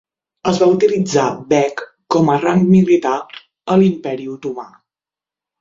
Es va utilitzar Beg com a rang militar a l'Imperi Otomà.